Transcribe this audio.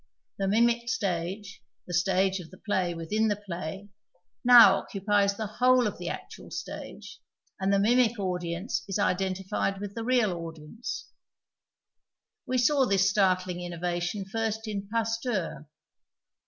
The mimic stage, the stage of the i)lay within the |)lay, now occupies the whole of the actual stage, and the mimic audience is identi fied with the real audience. We .saw this startling innovation first in Pasteur.